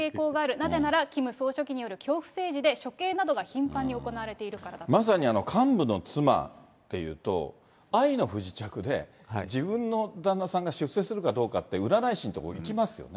なぜならキム総書記による恐怖政治で、処刑などが頻繁に行われてまさに幹部の妻っていうと、愛の不時着で、自分の旦那さんが出世するかどうかって占い師のとこ行きますよね。